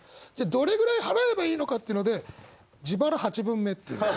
どれぐらい払えばいいのかっていうので「自腹八分目」っていう。